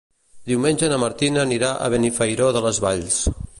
Diumenge na Martina anirà a Benifairó de les Valls.